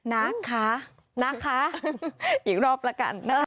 นักค่ะนักค่ะอีกรอบละกัน